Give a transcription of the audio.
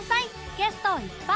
ゲストいっぱい！